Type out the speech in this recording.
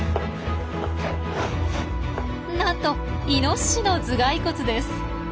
なんとイノシシの頭蓋骨です。